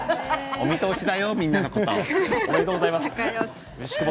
お見通しだよみんなのこと。